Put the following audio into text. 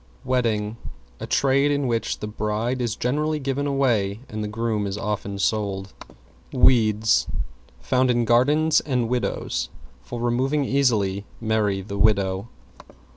=WEDDING= A trade in which the bride is generally given away, and the groom is often sold. =WEEDS= Found in gardens and widows. For removing easily, marry the widow.